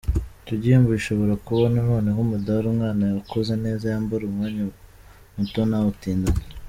Icyo gihembo gishobora kuba nanone nk’umudali umwana wakoze neza yambara umwanya muto ntawutindane.